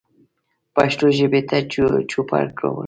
پښتو ژبې ته چوپړ کول